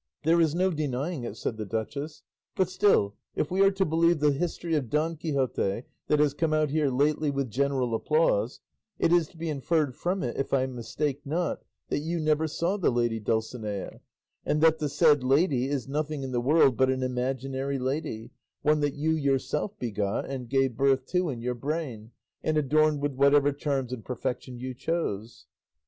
"There is no denying it," said the duchess; "but still, if we are to believe the history of Don Quixote that has come out here lately with general applause, it is to be inferred from it, if I mistake not, that you never saw the lady Dulcinea, and that the said lady is nothing in the world but an imaginary lady, one that you yourself begot and gave birth to in your brain, and adorned with whatever charms and perfections you chose."